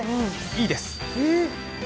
いいんです。